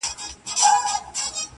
بې سرحده یې قدرت او سلطنت دئ!!